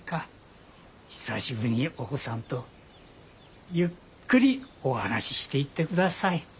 久しぶりにお子さんとゆっくりお話ししていってください。